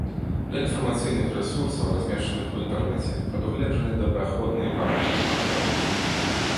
Для інфармацыйных рэсурсаў, размешчаных у інтэрнэце, прадугледжаны добраахвотны парадак маркіроўкі.